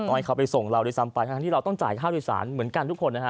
ให้เขาไปส่งเราด้วยซ้ำไปทั้งที่เราต้องจ่ายค่าโดยสารเหมือนกันทุกคนนะฮะ